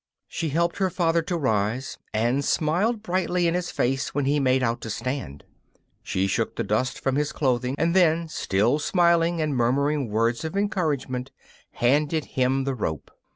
She helped her father to rise, and smiled brightly in his face when he made out to stand. She shook the dust from his clothing, and then, still smiling and murmuring words of encouragement, handed him the rope.